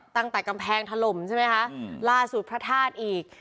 ตั้งแต่กำแพงถล่มใช่ไหมคะล่าสุดพระธาตุอีก